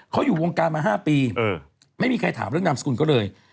เขาอยู่วงการมา๕ปีไม่มีใครถามเรื่องนามสกุลก็เลย